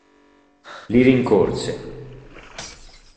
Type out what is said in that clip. Li rincorse.